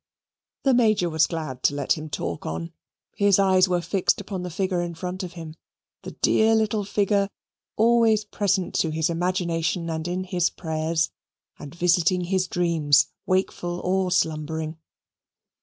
The Major was glad to let him talk on. His eyes were fixed upon the figure in front of him the dear little figure always present to his imagination and in his prayers, and visiting his dreams wakeful or slumbering.